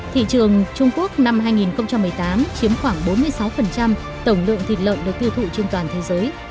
thị trường trung quốc năm hai nghìn một mươi tám chiếm khoảng bốn mươi sáu tổng lượng thịt lợn được tiêu thụ trên toàn thế giới